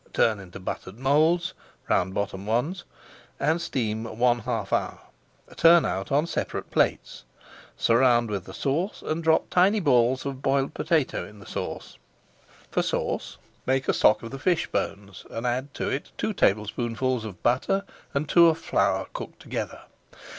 Turn into buttered moulds (round bottomed ones) and steam one half hour. Turn out on separate plates, surround [Page 474] with the sauce, and drop tiny balls of boiled potato in the sauce. For sauce, make a stock of the fish bones and add to it two tablespoonfuls of butter and two of flour cooked together.